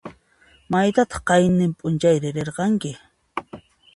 Maytataq qayninp'unchayri riranki?